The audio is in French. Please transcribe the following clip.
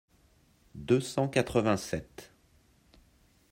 deux cent quatre-vingt-sept.